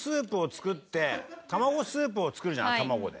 たまごスープを作るじゃない卵で。